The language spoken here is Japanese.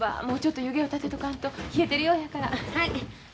もうちょっと湯気を立てとかんと。冷えてるようやから。